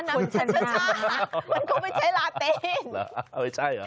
ไม่ใช่เหรอ